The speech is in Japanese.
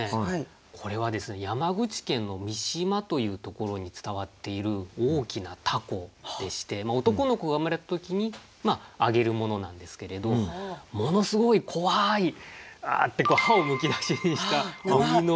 これは山口県の見島というところに伝わっている大きな凧でして男の子が生まれた時に揚げるものなんですけれどものすごい怖いああって歯をむき出しにした鬼の絵が。